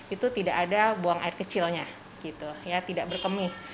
itu tidak ada buang air kecilnya tidak berkemih